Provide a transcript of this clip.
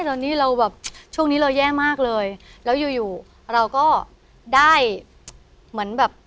ตอนนี้เราแบบช่วงนี้เราแย่มากเลยแล้วอยู่อยู่เราก็ได้เหมือนแบบ